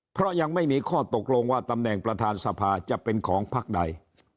เพราะยังไม่มีข้อตกลงว่าตำแหน่งประธานสภาจะเป็นของพักใด